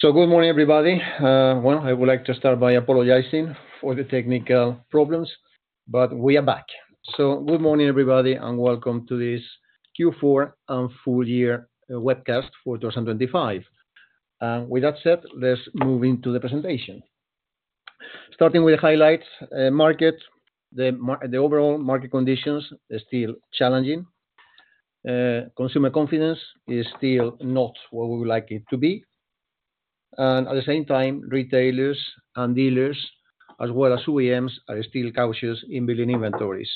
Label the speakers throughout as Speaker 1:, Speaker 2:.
Speaker 1: So good morning, everybody. Well, I would like to start by apologizing for the technical problems, but we are back. So good morning, everybody, and welcome to this Q4 and full year webcast for 2025. And with that said, let's move into the presentation. Starting with the highlights, market, the overall market conditions is still challenging. Consumer confidence is still not where we would like it to be, and at the same time, retailers and dealers, as well as OEMs, are still cautious in building inventories.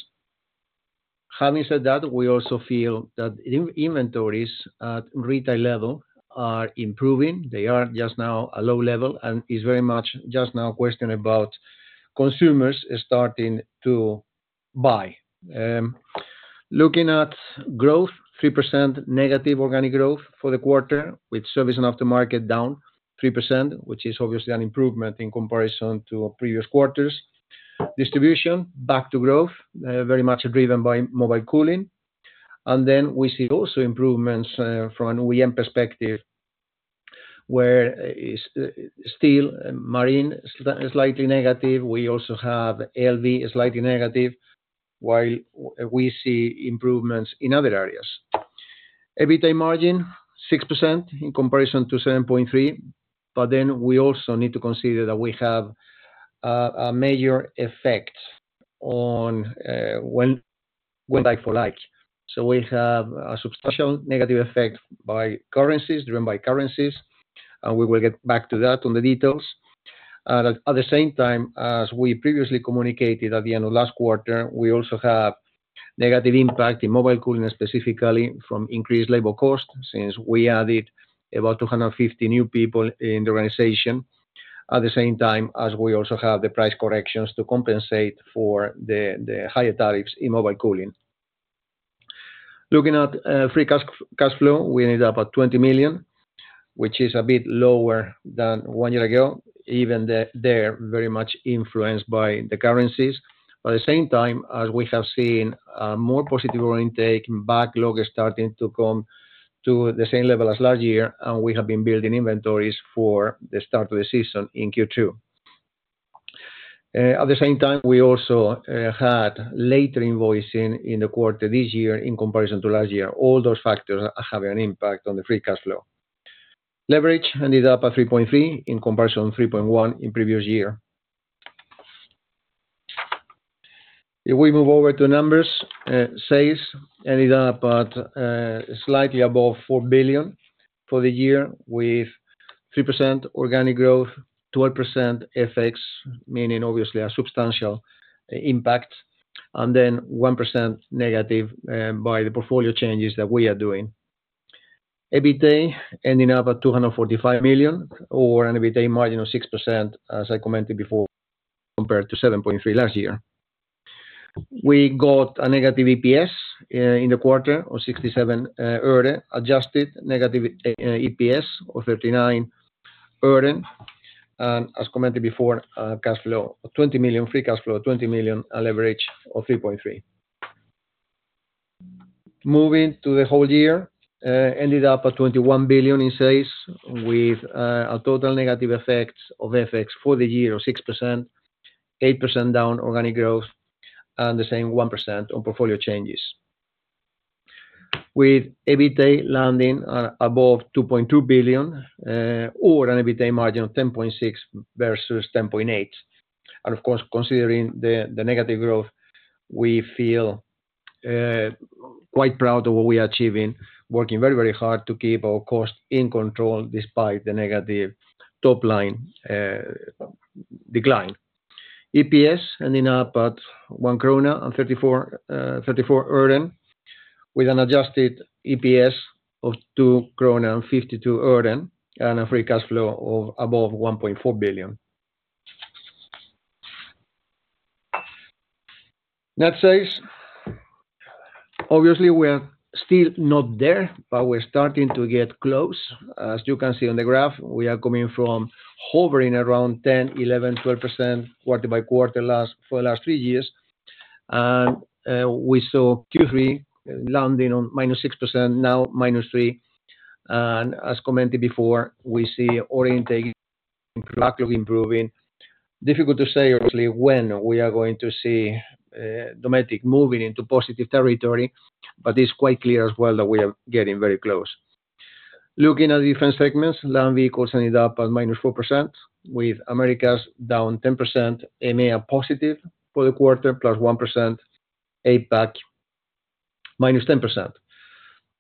Speaker 1: Having said that, we also feel that inventories at retail level are improving. They are just now at low level, and it's very much just now a question about consumers starting to buy. Looking at growth, 3% negative organic growth for the quarter, with Service and Aftermarket down 3%, which is obviously an improvement in comparison to previous quarters. Distribution, back to growth, very much driven by Mobile Cooling. And then we see also improvements from an OEM perspective, where is still Marine is slightly negative. We also have LV slightly negative, while we see improvements in other areas. EBITDA margin, 6% in comparison to 7.3%, but then we also need to consider that we have a major effect on FX, like for like. So we have a substantial negative effect by currencies, driven by currencies, and we will get back to that on the details. And at the same time, as we previously communicated at the end of last quarter, we also have negative impact in Mobile Cooling, specifically from increased labor costs, since we added about 250 new people in the organization, at the same time as we also have the price corrections to compensate for the higher tariffs in Mobile Cooling. Looking at free cash cash flow, we ended up at 20 million, which is a bit lower than one year ago, even there, very much influenced by the currencies. But at the same time, as we have seen, more positive order intake and backlog is starting to come to the same level as last year, and we have been building inventories for the start of the season in Q2. At the same time, we also had later invoicing in the quarter this year in comparison to last year. All those factors have an impact on the free cash flow. Leverage ended up at 3.3 in comparison to 3.1 in previous year. If we move over to numbers, sales ended up at slightly above 4 billion for the year, with 3% organic growth, 12% FX, meaning obviously a substantial impact, and then -1% by the portfolio changes that we are doing. EBITDA ending up at 245 million, or an EBITDA margin of 6%, as I commented before, compared to 7.3 last year. We got a negative EPS in the quarter of -0.67 earnings, adjusted negative EPS of -0.39 earnings. As commented before, cash flow, 20 million, free cash flow of 20 million, and leverage of 3.3. Moving to the whole year, ended up at 21 billion in sales, with a total negative effect of FX for the year of 6%, 8% down organic growth, and the same 1% on portfolio changes. With EBITDA landing above 2.2 billion, or an EBITDA margin of 10.6% versus 10.8%. And of course, considering the negative growth, we feel quite proud of what we are achieving, working very, very hard to keep our costs in control despite the negative top line decline. EPS ending up at 1.34 krona earnings, with an adjusted EPS of 2.52 krona earnings, and a free cash flow of above 1.4 billion. Net sales, obviously, we're still not there, but we're starting to get close. As you can see on the graph, we are coming from hovering around 10, 11, 12% quarter by quarter for the last 3 years. And, we saw Q3 landing on -6%, now -3%. And as commented before, we see order intake gradually improving. Difficult to say, obviously, when we are going to see, Dometic moving into positive territory, but it's quite clear as well that we are getting very close. Looking at the different segments, Land Vehicles ended up at -4%, with Americas down 10%, EMEA positive for the quarter, +1%, APAC, -10%.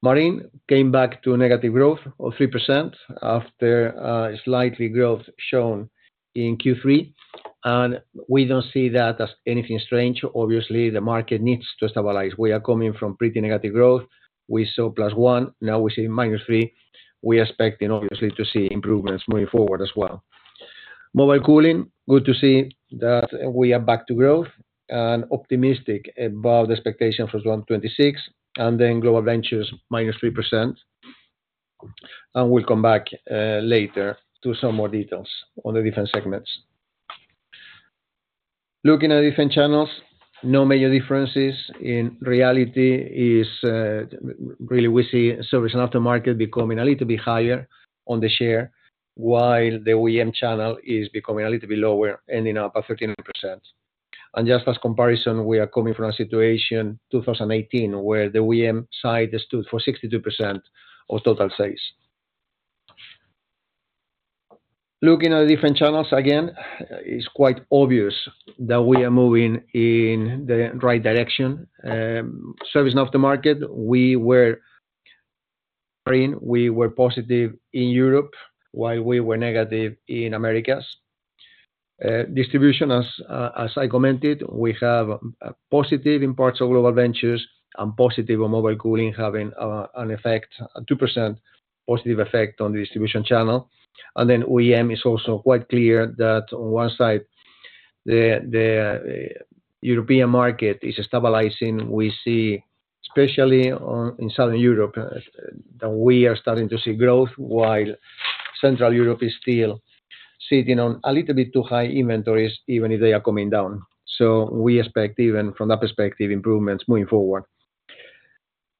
Speaker 1: Marine came back to a negative growth of 3% after, slightly growth shown in Q3, and we don't see that as anything strange. Obviously, the market needs to stabilize. We are coming from pretty negative growth. We saw +1%, now we're seeing -3%. We are expecting, obviously, to see improvements moving forward as well. Mobile Cooling, good to see that we are back to growth and optimistic about the expectation for 2026, and then Global Ventures, -3%. And we'll come back later to some more details on the different segments. Looking at different channels, no major differences. In reality is, really we see Service and Aftermarket becoming a little bit higher on the share, while the OEM channel is becoming a little bit lower, ending up at 13%. And just as comparison, we are coming from a situation, 2018, where the OEM side stood for 62% of total sales. Looking at the different channels, again, it's quite obvious that we are moving in the right direction. Service and Aftermarket, we were positive in Europe, while we were negative in Americas. Distribution, as I commented, we have positive in parts of Global Ventures and positive on Mobile Cooling, having an effect, a 2% positive effect on the distribution channel. And then OEM is also quite clear that on one side, the European market is stabilizing. We see, especially in Southern Europe, that we are starting to see growth, while Central Europe is still sitting on a little bit too high inventories, even if they are coming down. So we expect, even from that perspective, improvements moving forward.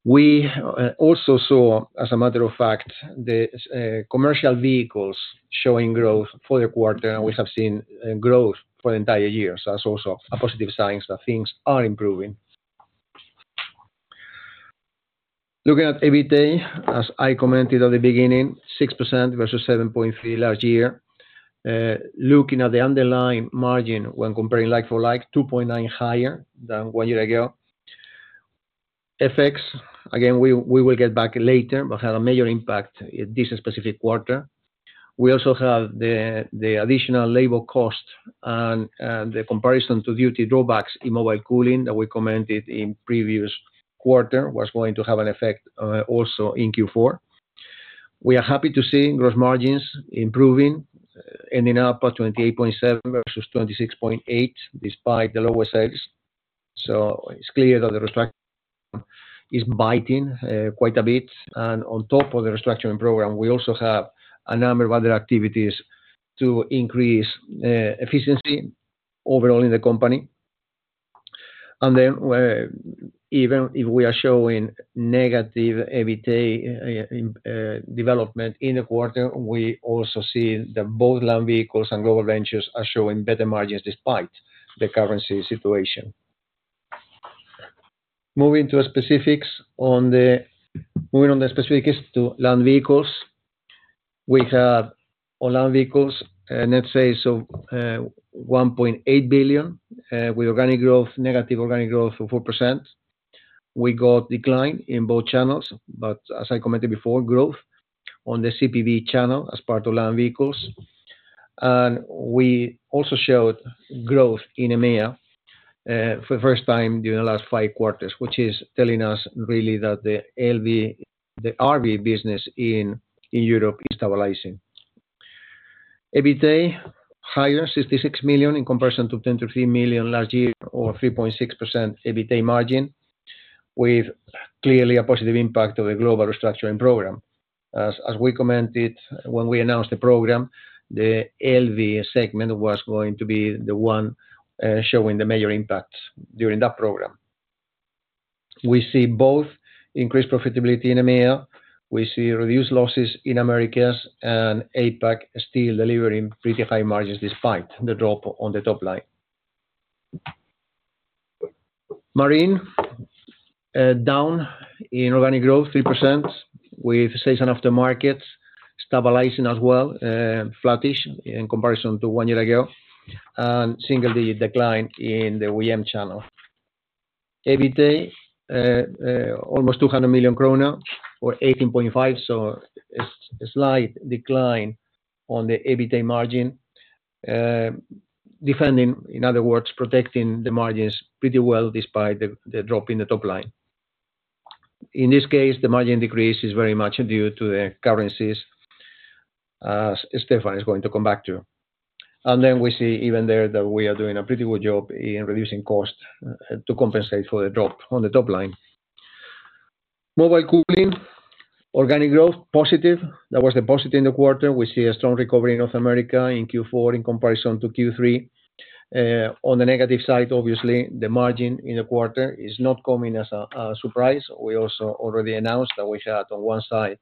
Speaker 1: We also saw, as a matter of fact, the commercial vehicles showing growth for the quarter, and we have seen growth for the entire year. So that's also a positive sign that things are improving. Looking at EBITDA, as I commented at the beginning, 6% versus 7.3 last year. Looking at the underlying margin when comparing like-for-like, 2.9 higher than one year ago. FX, again, we will get back later, but had a major impact in this specific quarter. We also have the additional labor cost and the comparison to duty drawbacks in Mobile Cooling that we commented in previous quarter, was going to have an effect, also in Q4. We are happy to see gross margins improving, ending up at 28.7% versus 26.8%, despite the lower sales. So it's clear that the restructuring is biting quite a bit. On top of the restructuring program, we also have a number of other activities to increase efficiency overall in the company. And then, even if we are showing negative EBITDA in development in the quarter, we also see that both Land Vehicles and Global Ventures are showing better margins despite the currency situation. Moving on to the specifics to Land Vehicles. We have on Land Vehicles, let's say, 1.8 billion with negative organic growth of 4%. We got decline in both channels, but as I commented before, growth on the CPV channel as part of Land Vehicles. We also showed growth in EMEA for the first time during the last 5 quarters, which is telling us really that the LV, the RV business in Europe is stabilizing. EBITDA higher, 66 million in comparison to 33 million last year, or 3.6% EBITDA margin, with clearly a positive impact of the global restructuring program. As we commented when we announced the program, the LV segment was going to be the one showing the major impacts during that program. We see both increased profitability in EMEA. We see reduced losses in Americas, and APAC still delivering pretty high margins, despite the drop on the top line. Marine down in organic growth, 3%, with sales aftermarket stabilizing as well, flattish in comparison to one year ago, and seeing the decline in the OEM channel. EBITDA almost 200 million krona or 18.5%, so a slight decline on the EBITDA margin. Defending, in other words, protecting the margins pretty well, despite the drop in the top line. In this case, the margin decrease is very much due to the currencies, as Stefan is going to come back to. And then we see even there that we are doing a pretty good job in reducing cost to compensate for the drop on the top line. Mobile Cooling, organic growth, positive. That was the positive in the quarter. We see a strong recovery in North America in Q4 in comparison to Q3. On the negative side, obviously, the margin in the quarter is not coming as a surprise. We also already announced that we had, on one side,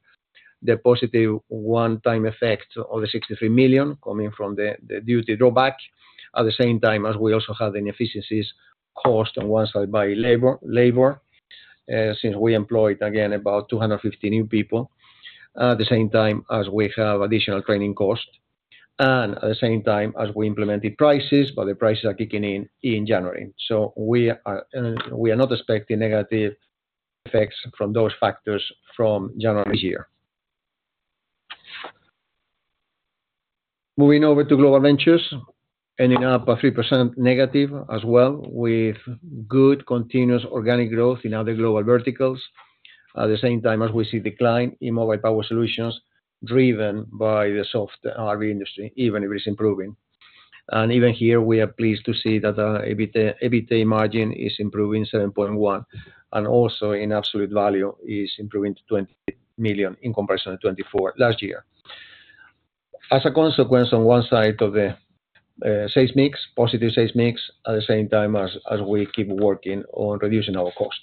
Speaker 1: the positive one-time effect of the 63 million coming from the duty drawback. At the same time, as we also have the inefficiencies caused on one side by labor, since we employed, again, about 250 new people, at the same time as we have additional training costs, and at the same time as we implemented prices, but the prices are kicking in in January. So we are not expecting negative effects from those factors from January this year. Moving over to Global Ventures, ending up at 3% negative as well, with good continuous organic growth in other global verticals. At the same time as we see decline in Mobile Power Solutions, driven by the soft RV industry, even if it's improving. Even here, we are pleased to see that the EBITDA margin is improving 7.1%, and also in absolute value is improving to 20 million in comparison to 24 million last year. As a consequence, on one side of the sales mix, positive sales mix, at the same time as we keep working on reducing our cost.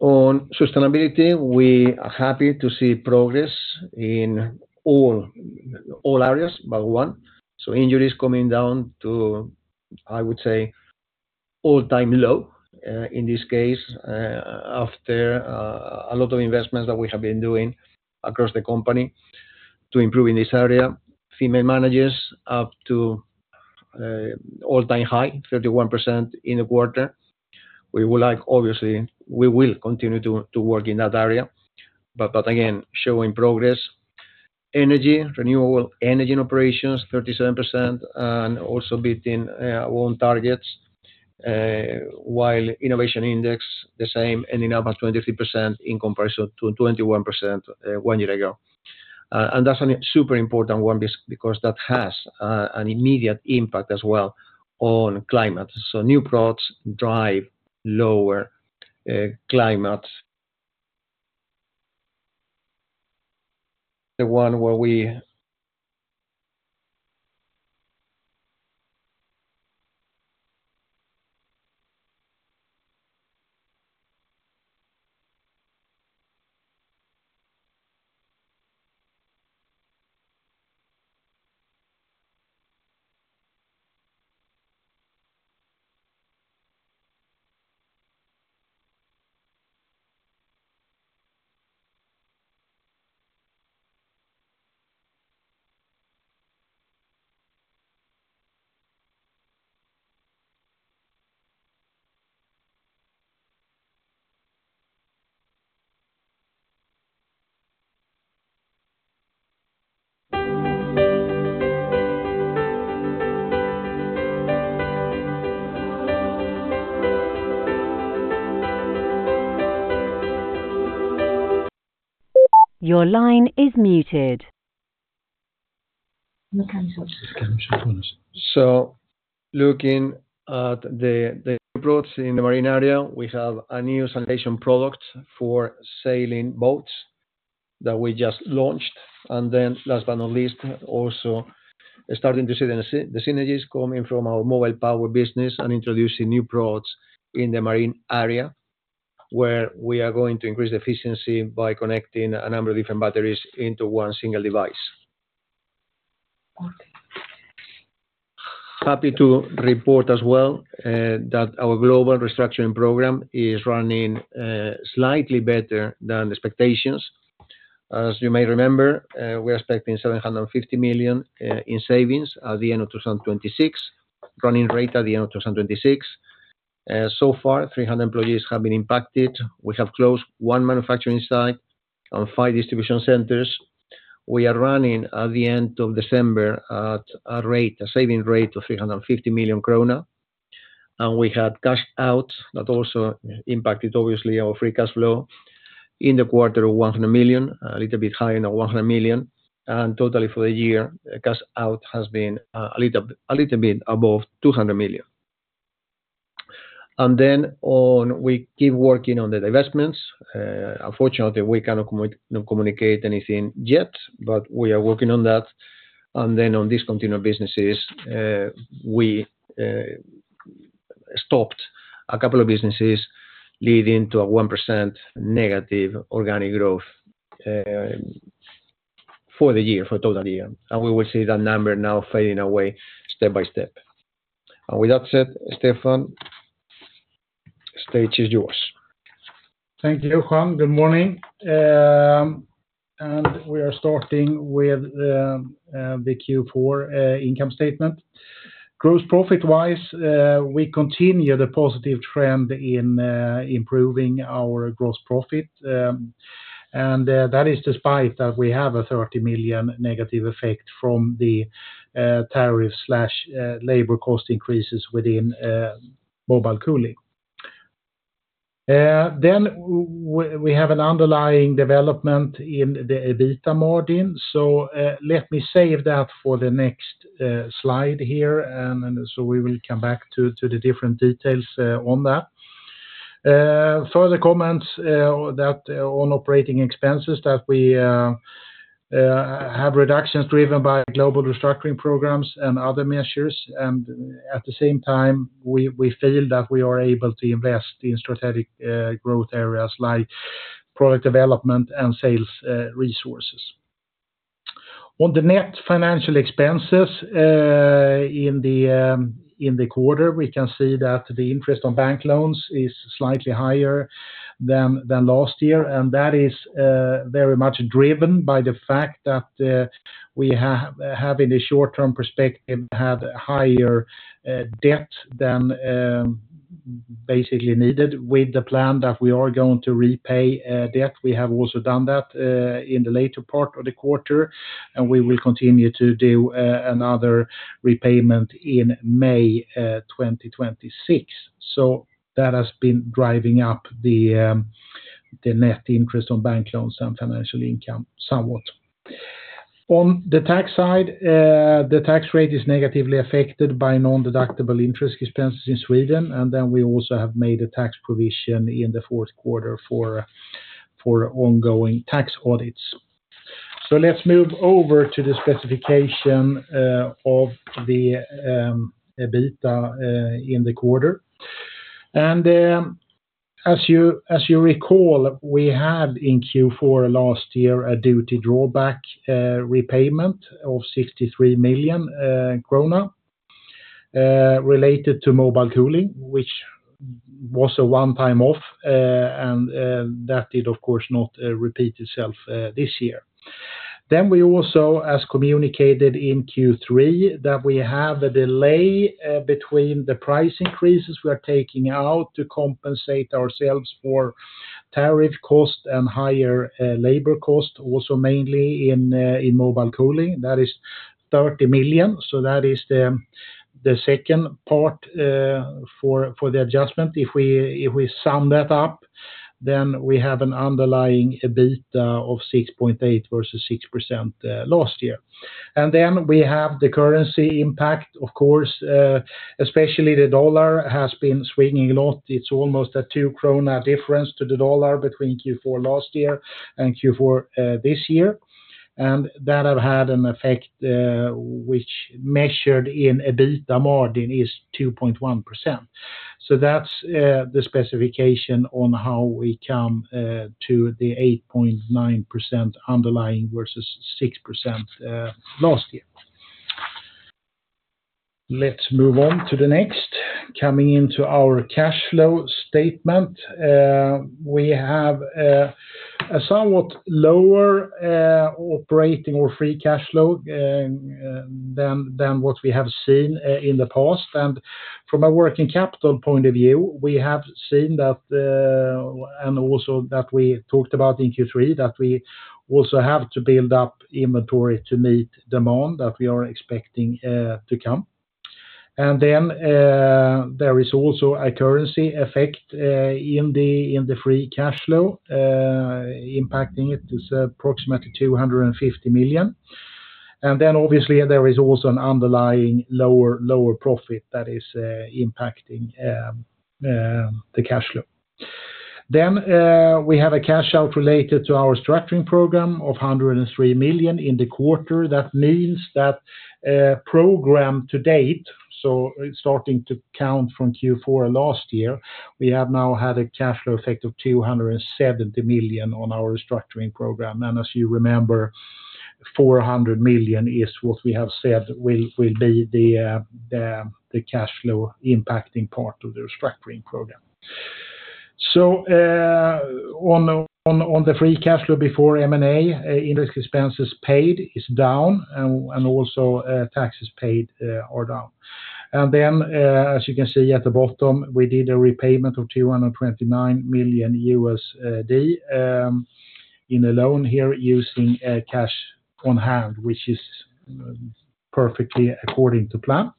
Speaker 1: On sustainability, we are happy to see progress in all areas, but one. Injuries coming down to, I would say, all-time low in this case after a lot of investments that we have been doing across the company to improve in this area. Female managers up to all-time high, 31% in the quarter. We would like, obviously, we will continue to work in that area, but again, showing progress. Energy, renewable energy and operations, 37%, and also beating own targets, while Innovation Index, the same, ending up at 23% in comparison to 21%, one year ago. And that's a super important one, because that has an immediate impact as well on climate. So new products drive lower climate. The one where we-
Speaker 2: Your line is muted. So looking at the products in the marine area, we have a new sanitation product for sailing boats that we just launched. And then last but not least, also starting to see the synergies coming from our mobile power business and introducing new products in the marine area, where we are going to increase efficiency by connecting a number of different batteries into one single device. Happy to report as well, that our global restructuring program is running slightly better than the expectations. As you may remember, we are expecting 750 million in savings at the end of 2026, running rate at the end of 2026. So far, 300 employees have been impacted. We have closed one manufacturing site and five distribution centers. We are running, at the end of December, at a rate, a saving rate of 350 million kronor, and we had cash out that also impacted obviously our free cash flow in the quarter of 100 million, a little bit higher than 100 million, and totally for the year, cash out has been a little bit above 200 million. Then on, we keep working on the divestments. Unfortunately, we cannot communicate anything yet, but we are working on that. Then on discontinued businesses, we stopped a couple of businesses leading to a 1% negative organic growth, for the year, for total year. And we will see that number now fading away step by step. And with that said, Stefan, stage is yours.
Speaker 3: Thank you, Juan. Good morning. We are starting with the Q4 income statement. Gross profit-wise, we continue the positive trend in improving our gross profit, and that is despite that we have a 30 million negative effect from the tariff, labor cost increases within Mobile Cooling. Then we have an underlying development in the EBITDA margin, so let me save that for the next slide here, and then so we will come back to the different details on that. Further comments that on operating expenses, that we have reductions driven by global restructuring programs and other measures, and at the same time, we feel that we are able to invest in strategic growth areas like product development and sales resources. On the net financial expenses, in the quarter, we can see that the interest on bank loans is slightly higher than last year, and that is very much driven by the fact that we have, in the short term perspective, higher debt than basically needed with the plan that we are going to repay debt. We have also done that in the later part of the quarter, and we will continue to do another repayment in May 2026. So that has been driving up the net interest on bank loans and financial income somewhat. On the tax side, the tax rate is negatively affected by non-deductible interest expenses in Sweden, and then we also have made a tax provision in the fourth quarter for ongoing tax audits. So let's move over to the specification of the EBITDA in the quarter. As you recall, we had in Q4 last year, a duty drawback repayment of 63 million krona related to Mobile Cooling, which was a one-time off, and that did, of course, not repeat itself this year. We also, as communicated in Q3, have a delay between the price increases we are taking out to compensate ourselves for tariff cost and higher labor cost, also mainly in Mobile Cooling, that is 30 million. That is the second part for the adjustment. If we sum that up, then we have an underlying EBITDA of 6.8 versus 6% last year. Then we have the currency impact, of course, especially the US dollar has been swinging a lot. It's almost a 2 krona difference to the US dollar between Q4 last year and Q4 this year. And that have had an effect, which measured in EBITDA margin is 2.1%. So that's the specification on how we come to the 8.9% underlying versus 6% last year. Let's move on to the next. Coming into our cash flow statement, we have a somewhat lower operating or free cash flow than what we have seen in the past. And from a working capital point of view, we have seen that, and also that we talked about in Q3, that we also have to build up inventory to meet demand that we are expecting, to come. And then, there is also a currency effect, in the, in the free cash flow, impacting it is approximately 250 million. And then obviously, there is also an underlying lower, lower profit that is, impacting, the cash flow. Then, we have a cash out related to our restructuring program of 103 million in the quarter. That means that, program to date, so starting to count from Q4 last year, we have now had a cash flow effect of 270 million on our restructuring program. As you remember, 400 million is what we have said will be the cash flow impacting part of the restructuring program. On the free cash flow before M&A, interest expenses paid is down, and also taxes paid are down. Then, as you can see at the bottom, we did a repayment of $229 million in a loan here using cash on hand, which is perfectly according to plan.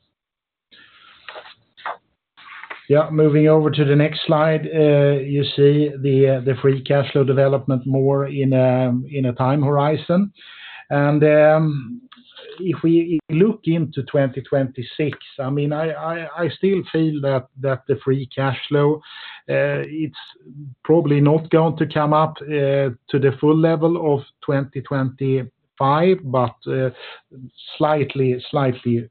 Speaker 3: Yeah, moving over to the next slide, you see the free cash flow development more in a time horizon. If we look into 2026, I mean, I still feel that the free cash flow it's probably not going to come up to the full level of 2025, but slightly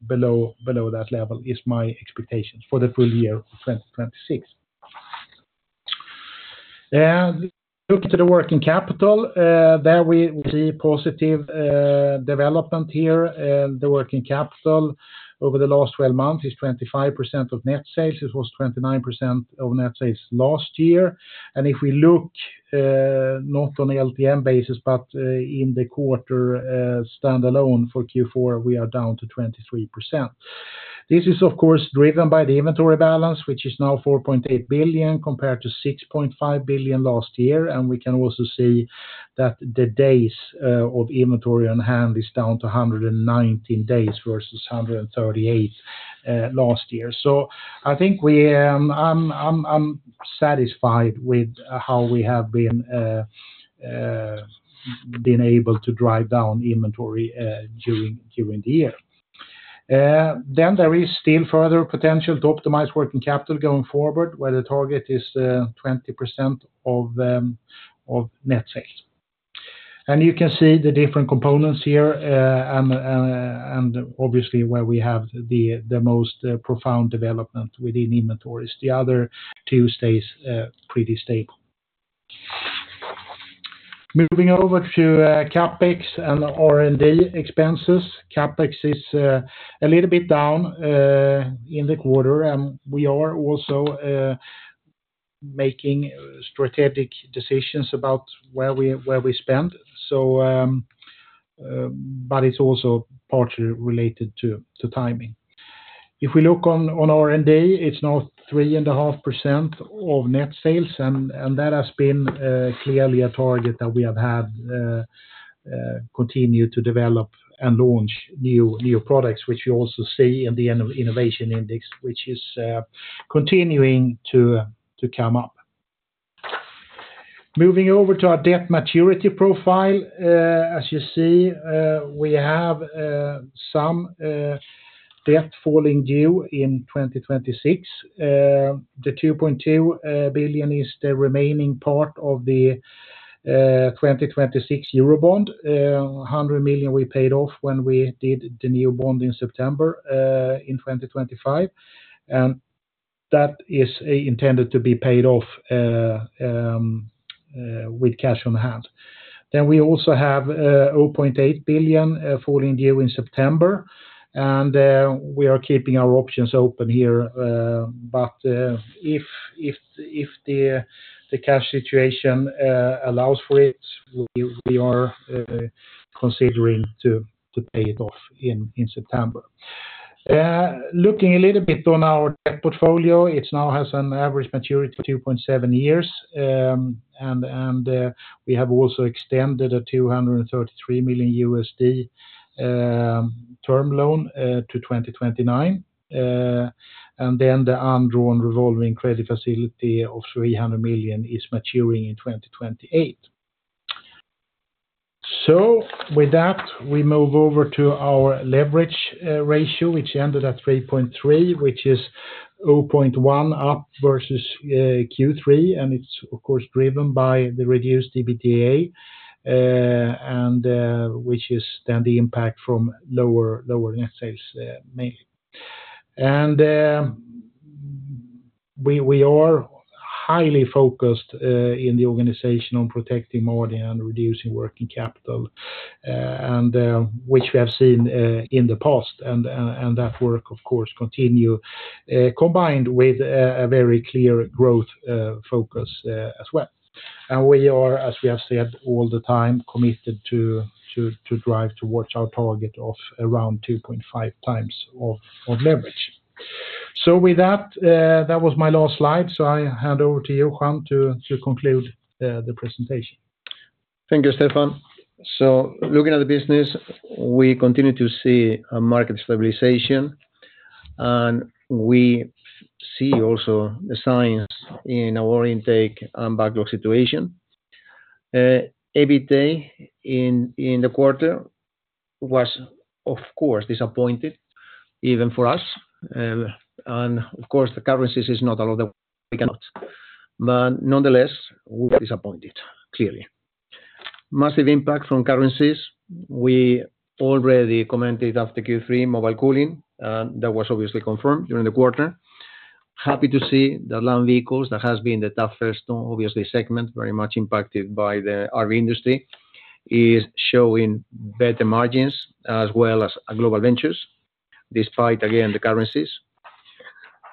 Speaker 3: below that level is my expectation for the full year of 2026. Look to the working capital, there we see positive development here. The working capital over the last 12 months is 25% of net sales. It was 29% of net sales last year. If we look not on the LTM basis, but in the quarter standalone for Q4, we are down to 23%. This is, of course, driven by the inventory balance, which is now 4.8 billion, compared to 6.5 billion last year. We can also see that the days of inventory on hand is down to 119 days versus 138 last year. So I think I'm satisfied with how we have been able to drive down inventory during the year. Then there is still further potential to optimize working capital going forward, where the target is 20% of net sales. You can see the different components here, and obviously, where we have the most profound development within inventories, the other two stays pretty stable. Moving over to CapEx and R&D expenses. CapEx is a little bit down in the quarter, and we are also making strategic decisions about where we spend. But it's also partly related to timing. If we look on R&D, it's now 3.5% of net sales, and that has been clearly a target that we have had, continue to develop and launch new products, which you also see in the Innovation Index, which is continuing to come up. Moving over to our debt maturity profile, as you see, we have some debt falling due in 2026. The 2.2 billion is the remaining part of the 2026 Euro bond. 100 million we paid off when we did the new bond in September in 2025, and that is intended to be paid off with cash on hand. Then we also have 0.8 billion falling due in September, and we are keeping our options open here. But if the cash situation allows for it, we are considering to pay it off in September. Looking a little bit on our debt portfolio, it now has an average maturity of 2.7 years. And we have also extended a $233 million term loan to 2029. And then the undrawn revolving credit facility of 300 million is maturing in 2028. So with that, we move over to our leverage ratio, which ended at 3.3, which is 0.1 up versus Q3, and it's of course driven by the reduced EBITDA, and which is then the impact from lower net sales, mainly. And we are highly focused in the organization on protecting margin and reducing working capital, and which we have seen in the past. And that work, of course, continue, combined with a very clear growth focus, as well. And we are, as we have said all the time, committed to drive towards our target of around 2.5 times of leverage. So with that, that was my last slide. So I hand over to you, Juan, to conclude the presentation.
Speaker 1: Thank you, Stefan. So looking at the business, we continue to see a market stabilization, and we see also the signs in our intake and backlog situation. EBITDA in the quarter was, of course, disappointing, even for us. And of course, the currencies is not a lot that we cannot, but nonetheless, we're disappointed, clearly. Massive impact from currencies. We already commented after Q3 Mobile Cooling, and that was obviously confirmed during the quarter. Happy to see that Land Vehicles, that has been the tough first, obviously, segment, very much impacted by the RV industry, is showing better margins as well as Global Ventures. Despite, again, the currencies.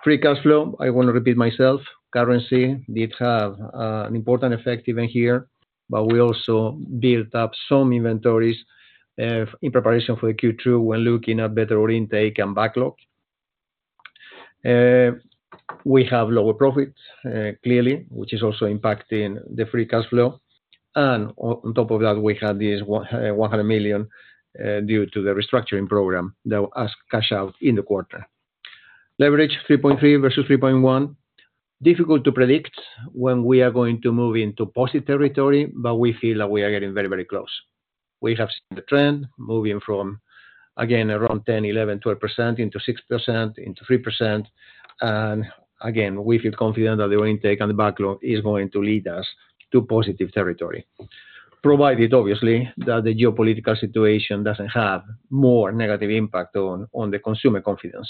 Speaker 1: Free cash flow, I want to repeat myself, currency did have an important effect even here, but we also built up some inventories in preparation for the Q2 when looking at better intake and backlog. We have lower profits, clearly, which is also impacting the free cash flow. And on top of that, we have this one hundred million due to the restructuring program that cash out in the quarter. Leverage 3.3 versus 3.1. Difficult to predict when we are going to move into positive territory, but we feel that we are getting very, very close. We have seen the trend moving from, again, around 10%, 11%, 12% into 6% into 3%. And again, we feel confident that the intake and the backlog is going to lead us to positive territory, provided obviously, that the geopolitical situation doesn't have more negative impact on the consumer confidence.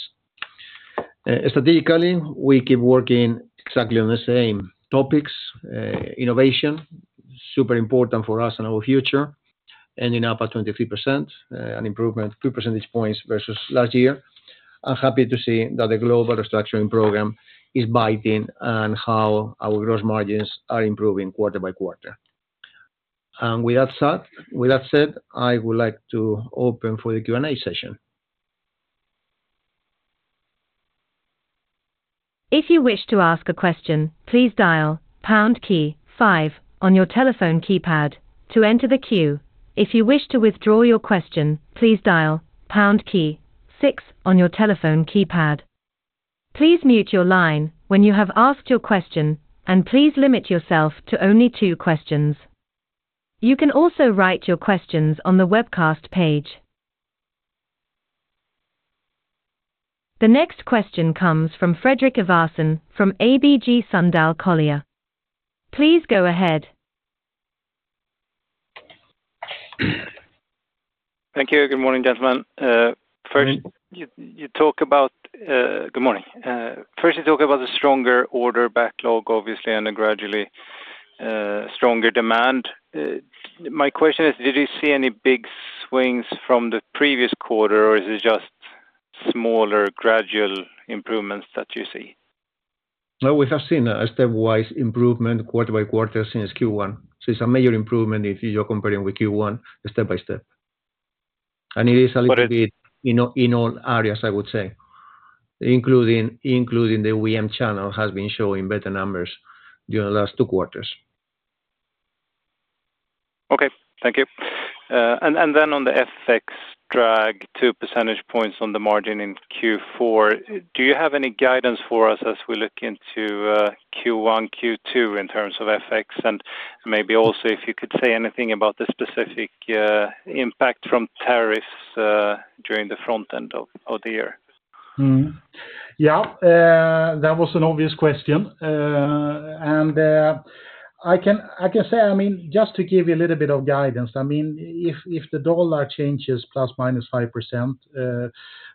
Speaker 1: Strategically, we keep working exactly on the same topics. Innovation, super important for us and our future, ending up at 23%, an improvement three percentage points versus last year. I'm happy to see that the global restructuring program is biting and how our gross margins are improving quarter by quarter. And with that said, with that said, I would like to open for the Q&A session.
Speaker 2: If you wish to ask a question, please dial pound key five on your telephone keypad to enter the queue. If you wish to withdraw your question, please dial pound key six on your telephone keypad. Please mute your line when you have asked your question, and please limit yourself to only two questions. You can also write your questions on the webcast page. The next question comes from Fredrik Ivarsson from ABG Sundal Collier. Please go ahead.
Speaker 4: Thank you. Good morning, gentlemen. First, you talk about the stronger order backlog, obviously, and a gradually stronger demand. My question is, did you see any big swings from the previous quarter, or is it just smaller, gradual improvements that you see?
Speaker 1: No, we have seen a stepwise improvement quarter by quarter since Q1. So it's a major improvement if you're comparing with Q1 step by step. And it is a little bit-
Speaker 4: But it-
Speaker 1: In all areas, I would say, including the OEM channel, has been showing better numbers during the last two quarters....
Speaker 4: Thank you. And then on the FX drag, 2 percentage points on the margin in Q4, do you have any guidance for us as we look into Q1, Q2, in terms of FX? And maybe also if you could say anything about the specific impact from tariffs during the front end of the year.
Speaker 3: Yeah, that was an obvious question. And I can say, I mean, just to give you a little bit of guidance, I mean, if the dollar changes ±5%,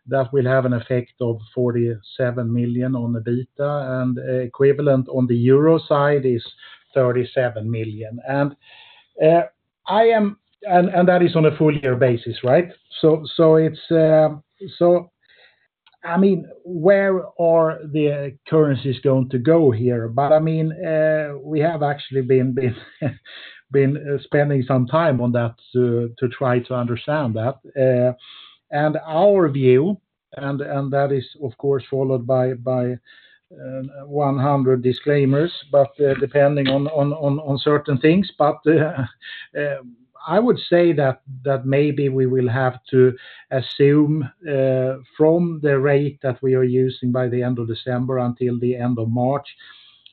Speaker 3: that will have an effect of $47 million on the EBITDA, and equivalent on the euro side is 37 million. And that is on a full year basis, right? So it's... So I mean, where are the currencies going to go here? But I mean, we have actually been spending some time on that to try to understand that. And our view, and that is, of course, followed by 100 disclaimers, but depending on certain things. But, I would say that, that maybe we will have to assume, from the rate that we are using by the end of December until the end of March,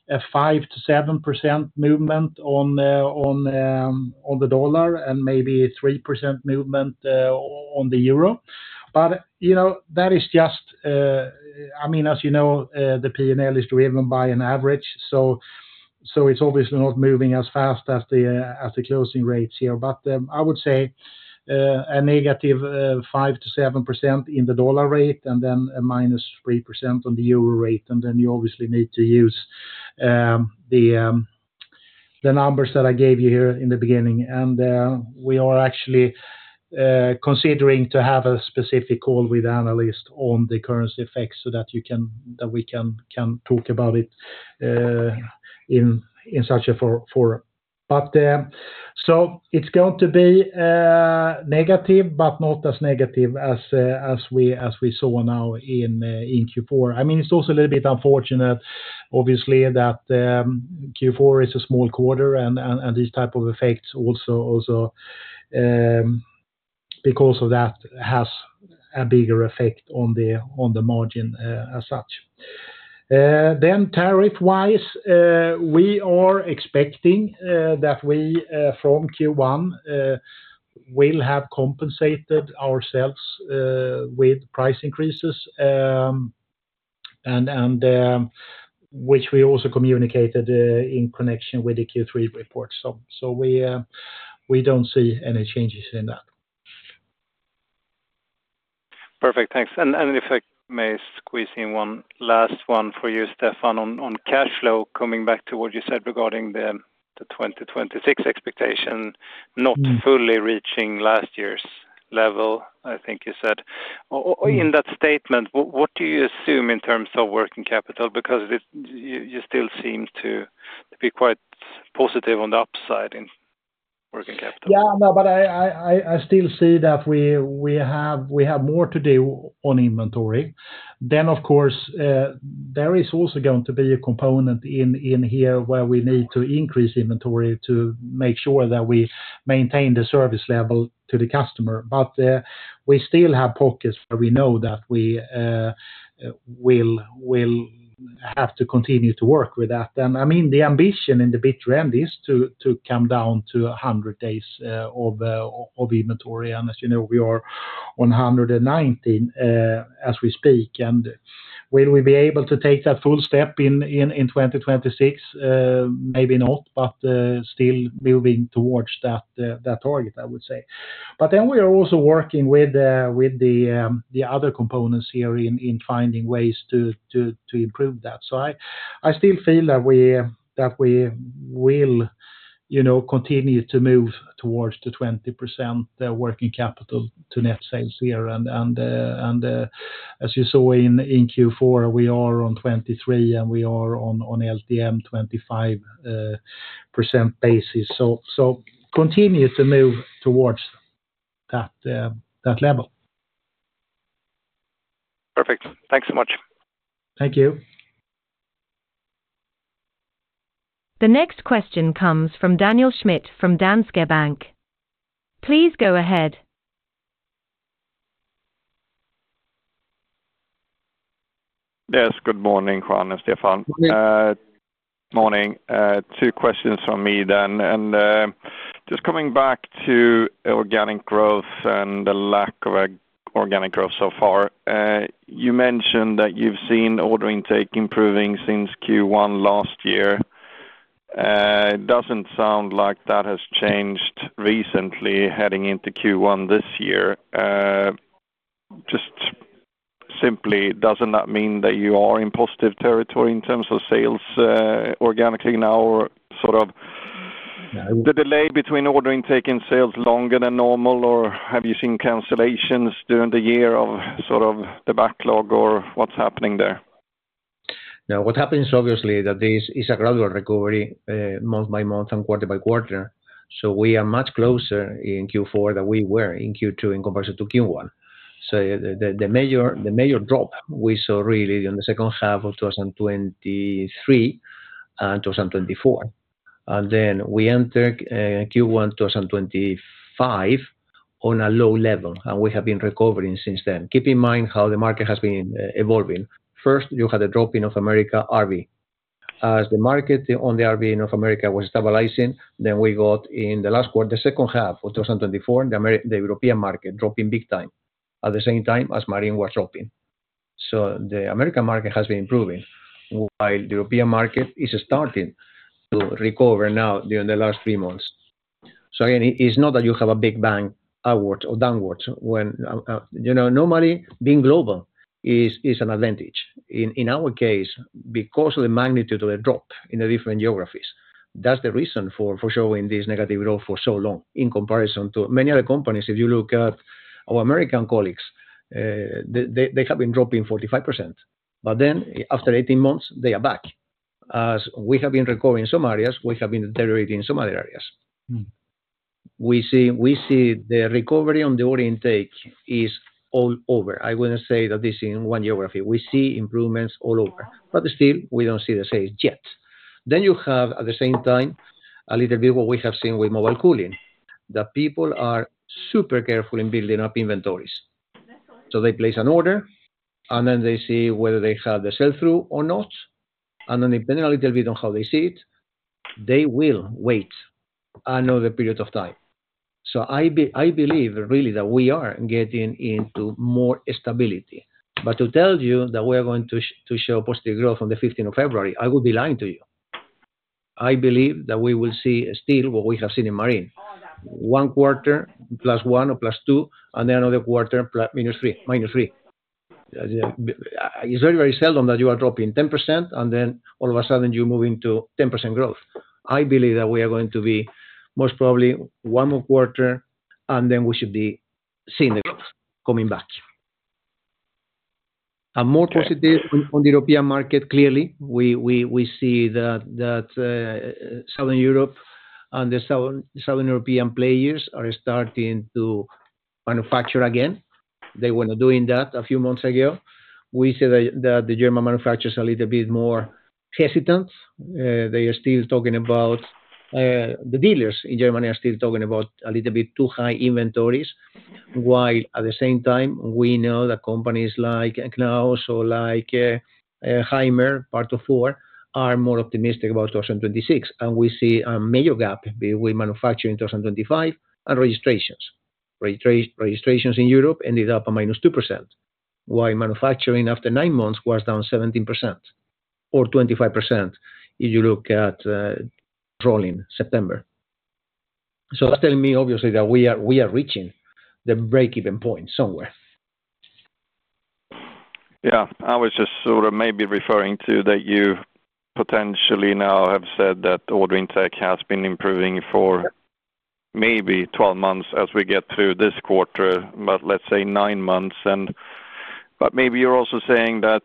Speaker 3: a 5%-7% movement on, on the dollar, and maybe a 3% movement, on the euro. But, you know, that is just, I mean, as you know, the PNL is driven by an average, so, so it's obviously not moving as fast as the, as the closing rates here. But, I would say, a negative 5%-7% in the dollar rate, and then a minus 3% on the euro rate, and then you obviously need to use, the, the numbers that I gave you here in the beginning. We are actually considering to have a specific call with analysts on the currency effects so that we can talk about it in such a format. But so it's going to be negative, but not as negative as we saw now in Q4. I mean, it's also a little bit unfortunate, obviously, that Q4 is a small quarter, and these type of effects also, because of that, has a bigger effect on the margin as such. Then tariff-wise, we are expecting that we from Q1 will have compensated ourselves with price increases, and which we also communicated in connection with the Q3 report. So we don't see any changes in that.
Speaker 4: Perfect, thanks. And if I may squeeze in one last one for you, Stefan, on cash flow, coming back to what you said regarding the 2026 expectation, not fully reaching last year's level, I think you said. Oh, in that statement, what do you assume in terms of working capital? Because you still seem to be quite positive on the upside in working capital.
Speaker 3: Yeah, no, but I still see that we have more to do on inventory. Then, of course, there is also going to be a component in here where we need to increase inventory to make sure that we maintain the service level to the customer. But we still have pockets where we know that we will have to continue to work with that. And, I mean, the ambition in the mid-term is to come down to 100 days of inventory, and as you know, we are 119 as we speak. And will we be able to take that full step in 2026? Maybe not, but still moving towards that target, I would say. But then we are also working with the other components here in finding ways to improve that. So I still feel that we will, you know, continue to move towards the 20% working capital to net sales here. And as you saw in Q4, we are on 23%, and we are on LTM 25% basis. So continue to move towards that level.
Speaker 4: Perfect. Thanks so much.
Speaker 3: Thank you.
Speaker 2: The next question comes from Daniel Schmidt, from Danske Bank. Please go ahead.
Speaker 5: Yes, good morning, Juan and Stefan.
Speaker 3: Good morning.
Speaker 5: Morning. Two questions from me then. Just coming back to organic growth and the lack of organic growth so far, you mentioned that you've seen order intake improving since Q1 last year. It doesn't sound like that has changed recently, heading into Q1 this year. Just simply, doesn't that mean that you are in positive territory in terms of sales, organically now, or sort of-
Speaker 1: Yeah.
Speaker 5: The delay between ordering, taking sales longer than normal, or have you seen cancellations during the year of sort of the backlog, or what's happening there?
Speaker 1: No, what happens, obviously, that this is a gradual recovery, month by month and quarter by quarter. So we are much closer in Q4 than we were in Q2 in comparison to Q1. So the major drop we saw really in the second half of 2023-... and 2024. And then we entered Q1 2025 on a low level, and we have been recovering since then. Keep in mind how the market has been evolving. First, you had a drop in North America, RV. As the market on the RV in North America was stabilizing, then we got in the last quarter, the second half of 2024, the European market dropping big time, at the same time as Marine was dropping. So the American market has been improving, while the European market is starting to recover now during the last three months. So again, it's not that you have a big bang upwards or downwards when, you know, normally, being global is, is an advantage. In our case, because of the magnitude of the drop in the different geographies, that's the reason for showing this negative growth for so long in comparison to many other companies. If you look at our American colleagues, they have been dropping 45%, but then after 18 months, they are back. As we have been recovering some areas, we have been deteriorating some other areas.
Speaker 5: Mm.
Speaker 1: We see the recovery on the order intake is all over. I wouldn't say that this in one geography. We see improvements all over, but still, we don't see the sales yet. Then you have, at the same time, a little bit what we have seen with Mobile Cooling, that people are super careful in building up inventories. So they place an order, and then they see whether they have the sell-through or not. And then depending a little bit on how they see it, they will wait another period of time. So I believe, really, that we are getting into more stability. But to tell you that we're going to show positive growth on the fifteenth of February, I would be lying to you. I believe that we will see still what we have seen in Marine. One quarter, plus one or plus two, and then another quarter, plus minus three minus three. It's very, very seldom that you are dropping 10%, and then all of a sudden, you're moving to 10% growth. I believe that we are going to be, most probably, one more quarter, and then we should be seeing the growth coming back. I'm more positive on the European market. Clearly, we see that Southern Europe and the Southern European players are starting to manufacture again. They were not doing that a few months ago. We see that the German manufacturers are a little bit more hesitant. They are still talking about the dealers in Germany are still talking about a little bit too high inventories. While at the same time, we know that companies like Knaus or like Hymer, part of Thor, are more optimistic about 2026, and we see a major gap between manufacturing in 2025 and registrations. Registrations in Europe ended up -2%, while manufacturing, after nine months, was down 17% or 25%, if you look at rolling September. So that's telling me, obviously, that we are reaching the break-even point somewhere.
Speaker 5: Yeah. I was just sort of maybe referring to that you potentially now have said that order intake has been improving for maybe 12 months as we get through this quarter, but let's say 9 months and... But maybe you're also saying that,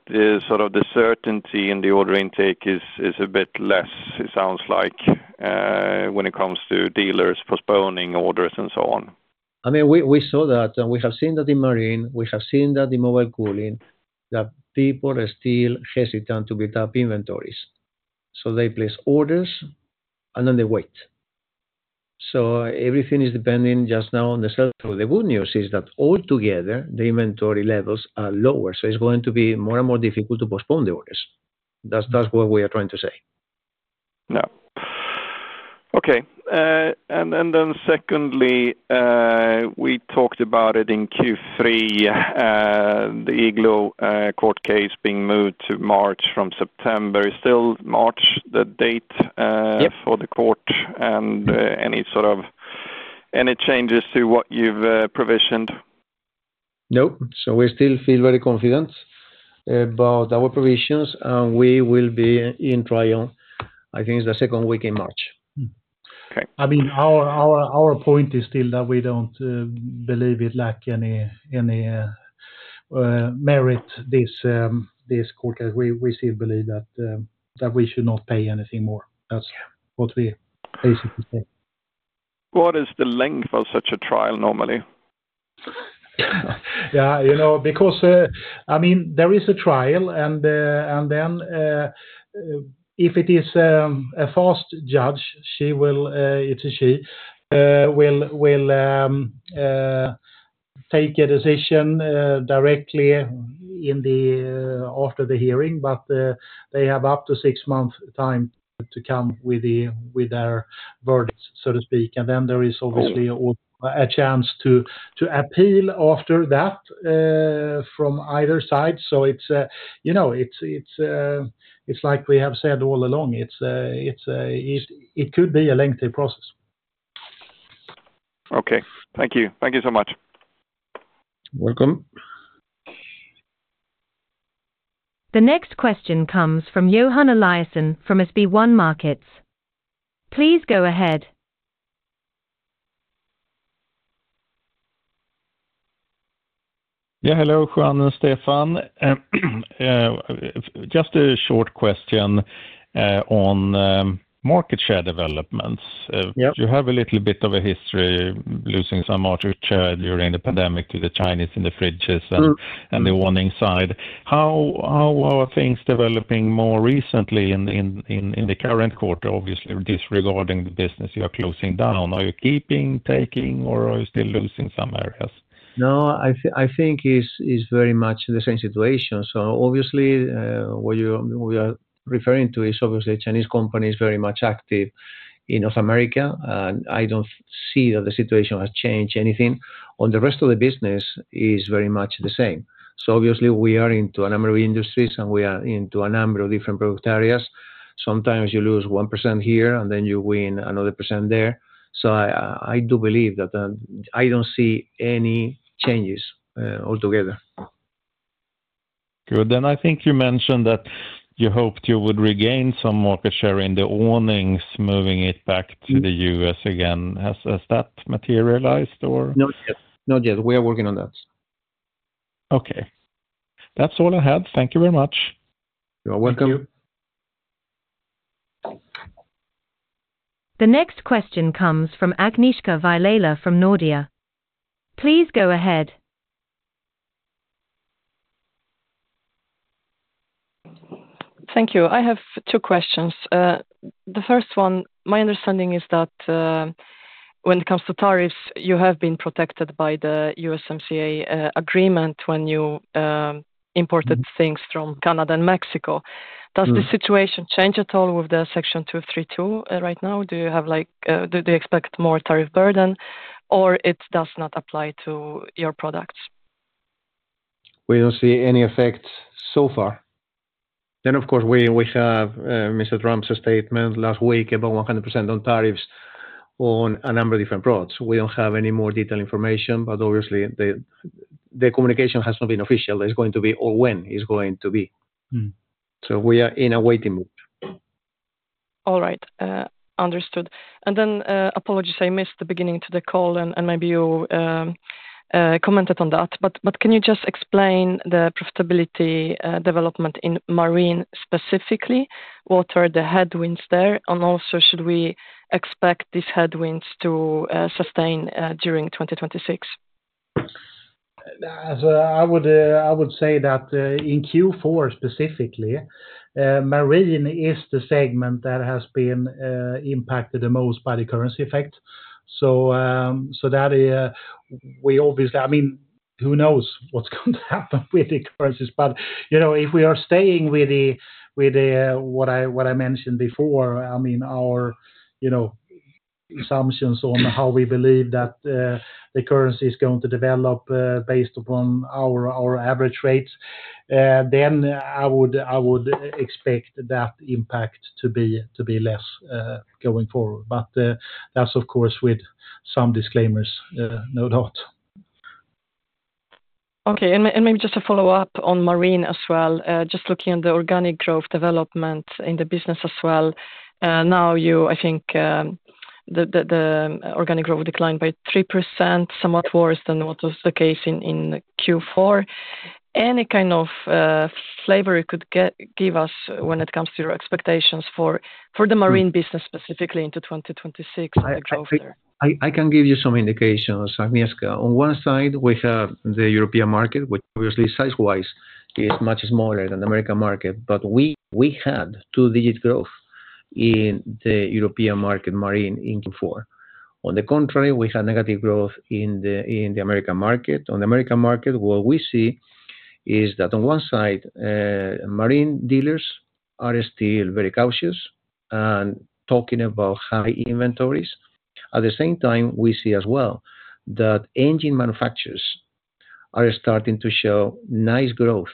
Speaker 5: sort of the certainty in the order intake is a bit less, it sounds like, when it comes to dealers postponing orders and so on.
Speaker 1: I mean, we saw that, and we have seen that in Marine, we have seen that in Mobile Cooling, that people are still hesitant to build up inventories. So they place orders, and then they wait. So everything is depending just now on the sell-through. The good news is that altogether, the inventory levels are lower, so it's going to be more and more difficult to postpone the orders. That's what we are trying to say.
Speaker 5: Yeah. Okay, and then, then secondly, we talked about it in Q3, the Igloo court case being moved to March from September. Is still March, the date.
Speaker 1: Yep...
Speaker 5: for the court, and any changes to what you've provisioned?
Speaker 1: Nope. So we still feel very confident about our provisions, and we will be in trial, I think it's the second week in March.
Speaker 5: Okay.
Speaker 3: I mean, our point is still that we don't believe it lack any merit, this court case. We still believe that that we should not pay anything more. That's what we basically say.
Speaker 5: What is the length of such a trial normally?
Speaker 1: Yeah, you know, because, I mean, there is a trial, and then, if it is a fast judge, she will—it's a she—will take a decision directly after the hearing, but they have up to six months time to come with their verdict, so to speak. And then there is obviously a chance to appeal after that from either side. So it's, you know, it's like we have said all along, it could be a lengthy process.
Speaker 5: Okay. Thank you. Thank you so much.
Speaker 1: Welcome.
Speaker 2: The next question comes from Johan Eliason from SB1 Markets. Please go ahead. ...
Speaker 6: Yeah, hello, Juan and Stefan. Just a short question on market share developments.
Speaker 1: Yep.
Speaker 6: You have a little bit of a history losing some market share during the pandemic to the Chinese and the fridges-
Speaker 1: Sure
Speaker 6: and the one inside. How are things developing more recently in the current quarter? Obviously, disregarding the business you are closing down. Are you keeping, taking, or are you still losing some areas?
Speaker 1: No, I think it's, it's very much the same situation. So obviously, what you, we are referring to is obviously Chinese company is very much active in North America, and I don't see that the situation has changed anything. On the rest of the business, is very much the same. So obviously, we are into a number of industries, and we are into a number of different product areas. Sometimes you lose 1% here, and then you win another % there. So I, I do believe that, I don't see any changes, altogether.
Speaker 6: Good. Then I think you mentioned that you hoped you would regain some market share in the awnings, moving it back to the U.S. again. Has that materialized or?
Speaker 1: Not yet. Not yet. We are working on that.
Speaker 6: Okay. That's all I had. Thank you very much.
Speaker 1: You are welcome.
Speaker 3: Thank you.
Speaker 2: The next question comes from Agnieszka Vilela from Nordea. Please go ahead.
Speaker 7: Thank you. I have two questions. The first one, my understanding is that, when it comes to tariffs, you have been protected by the USMCA agreement, when you imported things from Canada and Mexico.
Speaker 3: Mm.
Speaker 7: Does the situation change at all with the Section 232 right now? Do you have like... Do you expect more tariff burden, or it does not apply to your products?
Speaker 1: We don't see any effect so far. Then, of course, we have Mr. Trump's statement last week about 100% on tariffs on a number of different products. We don't have any more detailed information, but obviously, the communication has not been official. There's going to be or when it's going to be.
Speaker 3: Mm.
Speaker 1: We are in a waiting mode.
Speaker 7: All right, understood. And then, apologies, I missed the beginning to the call, and maybe you commented on that. But can you just explain the profitability development in Marine, specifically? What are the headwinds there, and also, should we expect these headwinds to sustain during 2026?
Speaker 3: I would say that in Q4 specifically, Marine is the segment that has been impacted the most by the currency effect. So, so that we obviously- I mean, who knows what's going to happen with the currencies? But, you know, if we are staying with the, with the what I what I mentioned before, I mean, our you know assumptions on how we believe that the currency is going to develop based upon our our average rates then I would I would expect that impact to be to be less going forward. But that's of course with some disclaimers no doubt.
Speaker 7: Okay, and maybe just to follow up on Marine as well, just looking at the organic growth development in the business as well. Now you, I think, the organic growth declined by 3%, somewhat worse than what was the case in Q4. Any kind of flavor you could give us when it comes to your expectations for the Marine business, specifically into 2026 and beyond there?
Speaker 1: I can give you some indications, Agnieszka. On one side, we have the European market, which obviously, size-wise, is much smaller than the American market. But we had two-digit growth in the European market, Marine, in Q4. On the contrary, we had negative growth in the American market. On the American market, what we see is that on one side, Marine dealers are still very cautious and talking about high inventories. At the same time, we see as well that engine manufacturers are starting to show nice growth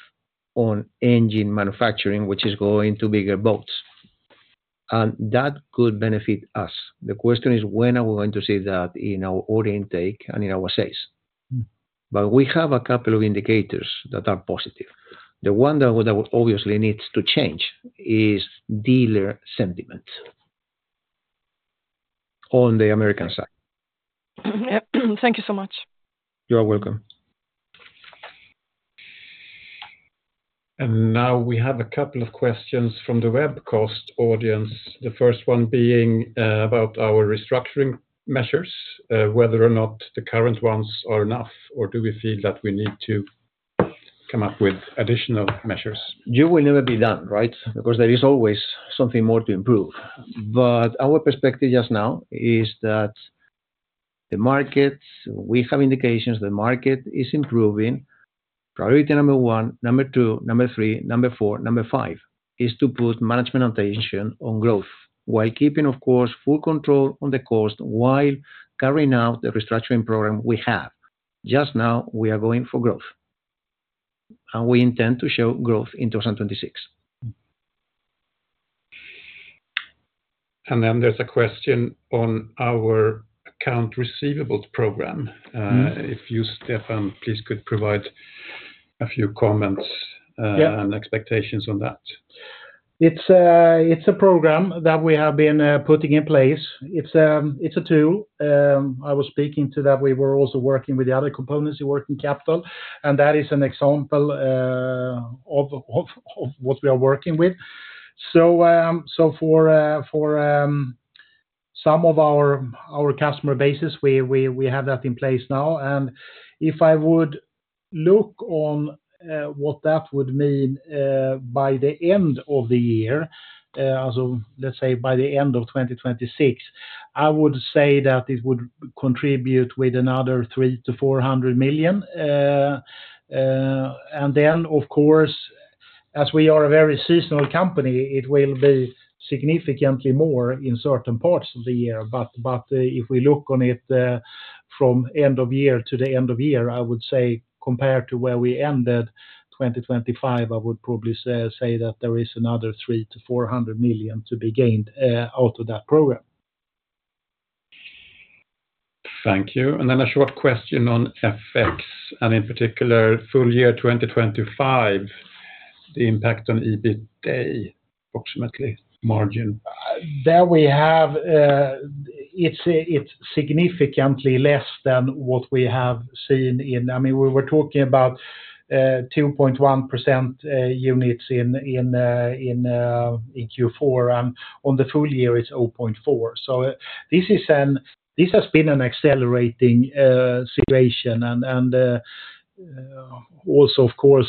Speaker 1: on engine manufacturing, which is going to bigger boats, and that could benefit us. The question is, when are we going to see that in our order intake and in our sales?
Speaker 7: Mm.
Speaker 1: We have a couple of indicators that are positive. The one that obviously needs to change is dealer sentiment on the American side.
Speaker 7: Thank you so much.
Speaker 1: You are welcome.
Speaker 8: Now we have a couple of questions from the webcast audience. The first one being about our restructuring measures, whether or not the current ones are enough, or do we feel that we need to come up with additional measures?
Speaker 1: You will never be done, right? Because there is always something more to improve. But our perspective just now is that the markets... We have indications the market is improving. Priority number 1, number 2, number 3, number 4, number 5, is to put management attention on growth, while keeping, of course, full control on the cost, while carrying out the restructuring program we have. Just now, we are going for growth, and we intend to show growth in 2026.
Speaker 8: Mm. And then there's a question on our accounts receivable program.
Speaker 1: Mm.
Speaker 8: If you, Stefan, please could provide a few comments-
Speaker 3: Yeah...
Speaker 8: and expectations on that....
Speaker 3: It's a program that we have been putting in place. It's a tool. I was speaking to that. We were also working with the other components, working capital, and that is an example of what we are working with. So for some of our customer bases, we have that in place now. And if I would look on what that would mean by the end of the year, so let's say by the end of 2026, I would say that it would contribute with another 300 million-400 million. And then, of course, as we are a very seasonal company, it will be significantly more in certain parts of the year. But if we look on it from end of year to the end of year, I would say compared to where we ended 2025, I would probably say that there is another 300 million-400 million to be gained out of that program.
Speaker 8: Thank you. And then a short question on FX, and in particular, full year 2025, the impact on EBITDA, approximately margin.
Speaker 3: There we have, it's significantly less than what we have seen in... I mean, we were talking about 2.1%, units in Q4, and on the full year, it's 0.4. So this is this has been an accelerating situation, and also, of course,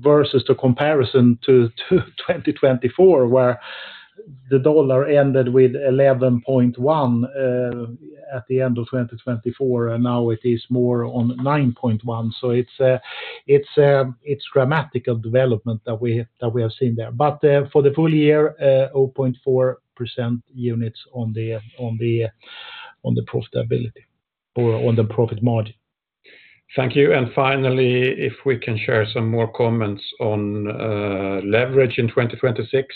Speaker 3: versus the comparison to 2024, where the dollar ended with 11.1 at the end of 2024, and now it is more on 9.1. So it's a dramatic development that we have seen there. But for the full year, 0.4% units on the profitability or on the profit margin.
Speaker 8: Thank you. Finally, if we can share some more comments on leverage in 2026,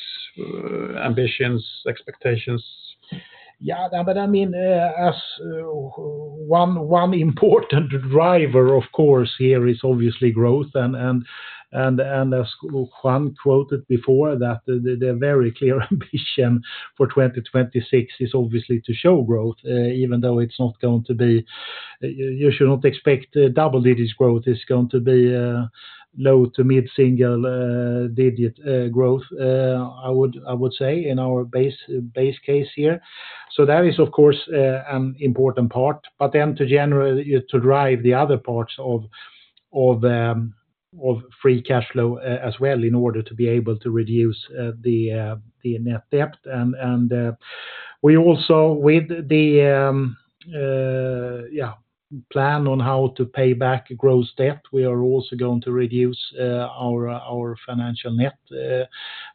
Speaker 8: ambitions, expectations.
Speaker 3: Yeah, but I mean, as one important driver, of course, here is obviously growth, and as Juan quoted before, that the very clear ambition for 2026 is obviously to show growth, even though it's not going to be, you should not expect double-digit growth. It's going to be low to mid single digit growth, I would say in our base case here. So that is, of course, an important part, but then to generate to drive the other parts of free cash flow as well, in order to be able to reduce the net debt. We also, with the plan on how to pay back gross debt, we are also going to reduce our financial net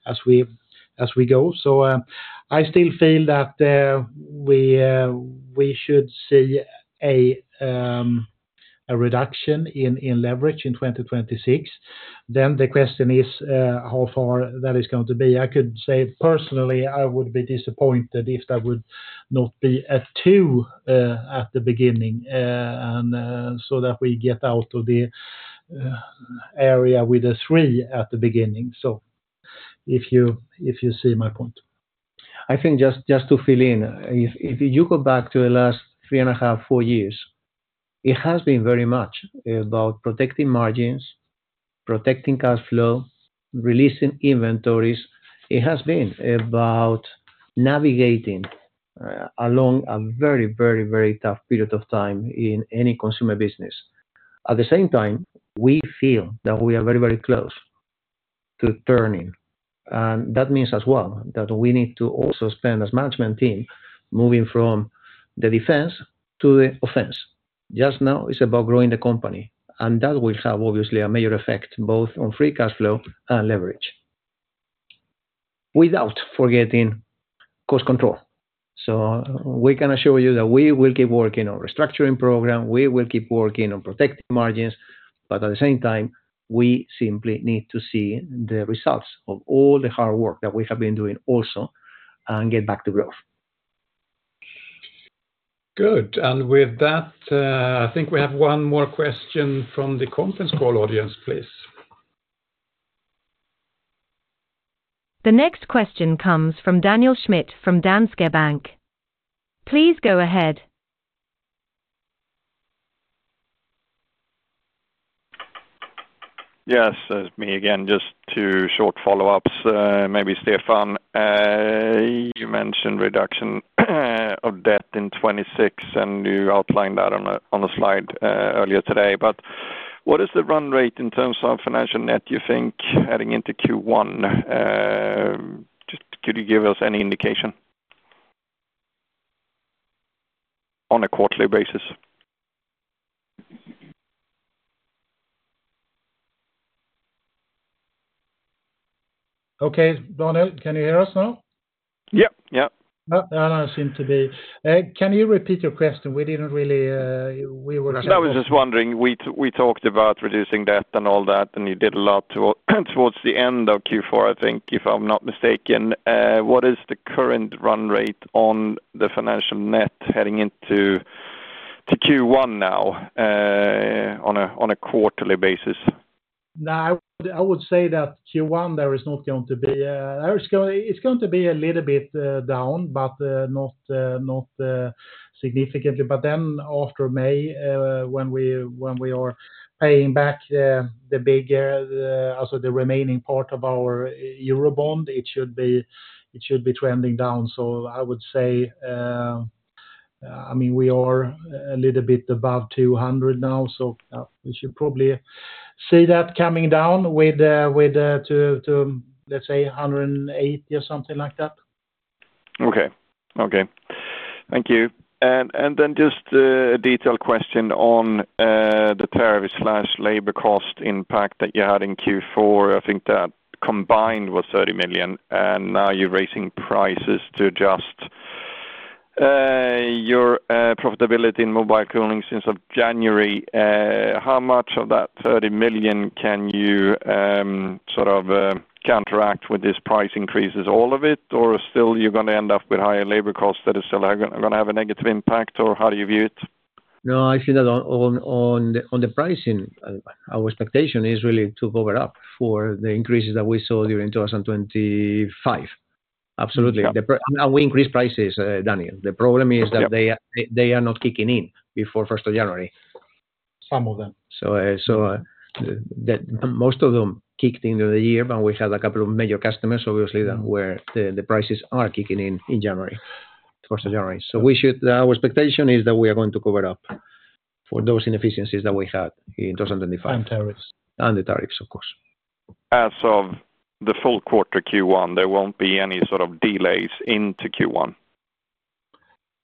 Speaker 3: as we go. So, I still feel that we should see a reduction in leverage in 2026. Then the question is, how far that is going to be. I could say personally, I would be disappointed if that would not be a 2 at the beginning, and so that we get out of the area with a 3 at the beginning. So if you see my point.
Speaker 1: I think just to fill in, if you go back to the last 3.5, 4 years, it has been very much about protecting margins, protecting cash flow, releasing inventories. It has been about navigating along a very, very, very tough period of time in any consumer business. At the same time, we feel that we are very, very close to turning, and that means as well, that we need to also spend as management team moving from the defense to the offense. Just now, it's about growing the company, and that will have, obviously, a major effect both on free cash flow and leverage, without forgetting cost control. We can assure you that we will keep working on restructuring program, we will keep working on protecting margins, but at the same time, we simply need to see the results of all the hard work that we have been doing also and get back to growth.
Speaker 8: Good. And with that, I think we have one more question from the conference call audience, please.
Speaker 2: The next question comes from Daniel Schmidt, from Danske Bank. Please go ahead.
Speaker 5: Yes, it's me again. Just two short follow-ups. Maybe Stefan, you mentioned reduction of debt in 2026, and you outlined that on a slide earlier today. But what is the run rate in terms of financial net, you think, heading into Q1? Just could you give us any indication? On a quarterly basis.
Speaker 3: Okay, Daniel, can you hear us now?
Speaker 5: Yep, yep.
Speaker 3: I don't seem to be. Can you repeat your question? We didn't really, we were-
Speaker 5: I was just wondering, we talked about reducing debt and all that, and you did a lot toward the end of Q4, I think, if I'm not mistaken. What is the current run rate on the financial net heading into Q1 now, on a quarterly basis?
Speaker 3: Now, I would say that Q1, there is not going to be, it's going to be a little bit down, but not significantly. But then after May, when we are paying back the big also the remaining part of our euro bond, it should be trending down. So I would say, I mean, we are a little bit above 200 now, so we should probably see that coming down to, let's say 180 or something like that.
Speaker 5: Okay. Okay. Thank you. And then just a detailed question on the tariff/labor cost impact that you had in Q4. I think that combined with 30 million, and now you're raising prices to adjust your profitability in Mobile Cooling as of January. How much of that 30 million can you sort of counteract with this price increases? All of it, or still you're gonna end up with higher labor costs that are still gonna have a negative impact, or how do you view it?
Speaker 1: No, I see that on the pricing. Our expectation is really to cover up for the increases that we saw during 2025. Absolutely.
Speaker 5: Yeah.
Speaker 1: We increased prices, Daniel. The problem is-
Speaker 5: Yeah...
Speaker 1: that they are not kicking in before first of January.
Speaker 3: Some of them.
Speaker 1: So, most of them kicked in the year, but we had a couple of major customers, obviously, that were the prices are kicking in, in January, first of January. So we should... Our expectation is that we are going to cover up for those inefficiencies that we had in 2025.
Speaker 3: And tariffs.
Speaker 1: The tariffs, of course.
Speaker 5: As of the full quarter Q1, there won't be any sort of delays into Q1?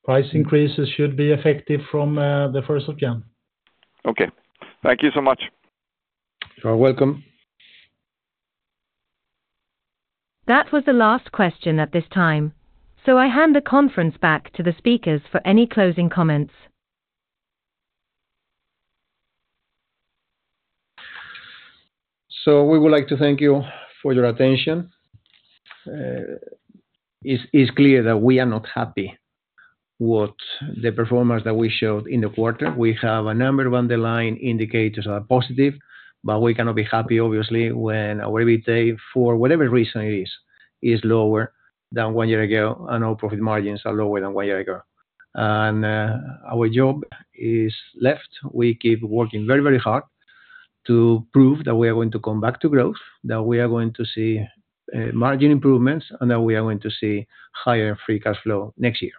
Speaker 3: Price increases should be effective from the first of January.
Speaker 5: Okay. Thank you so much.
Speaker 1: You are welcome.
Speaker 2: That was the last question at this time, so I hand the conference back to the speakers for any closing comments.
Speaker 1: So we would like to thank you for your attention. It's clear that we are not happy with the performance that we showed in the quarter. We have a number of underlying indicators are positive, but we cannot be happy, obviously, when our EBITDA, for whatever reason it is, is lower than one year ago, and our profit margins are lower than one year ago. Our job is left. We keep working very, very hard to prove that we are going to come back to growth, that we are going to see margin improvements, and that we are going to see higher free cash flow next year.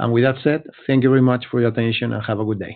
Speaker 1: With that said, thank you very much for your attention, and have a good day.